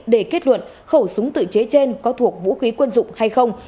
để kết luận khẩu súng tự chế trên có thuộc vũ khí quân dụng hay không